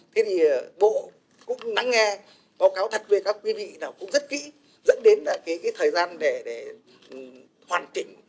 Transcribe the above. thế thì bộ cũng nắng nghe báo cáo thật về các quý vị nào cũng rất kỹ dẫn đến là cái thời gian để hoàn chỉnh